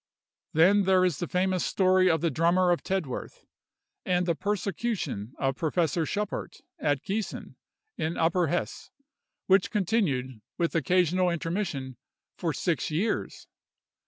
Then there is the famous story of the drummer of Tedworth; and the persecution of Professor Schuppart, at Giessen, in Upper Hesse, which continued, with occasional intermission, for six years.